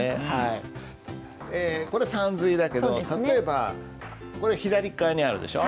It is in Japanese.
これさんずいだけど例えばこれ左側にあるでしょ？